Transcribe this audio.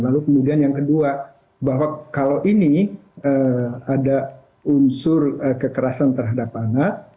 lalu kemudian yang kedua bahwa kalau ini ada unsur kekerasan terhadap anak